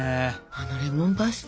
あのレモンパスタ。